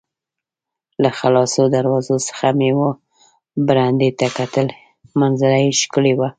له خلاصو دروازو څخه مې وه برنډې ته کتل، منظره یې ښکلې وه.